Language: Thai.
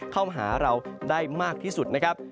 เข้ามาหาเราได้มากที่สุดนะครับ